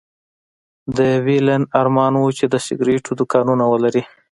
د ويلين ارمان و چې د سګرېټو دوکانونه ولري.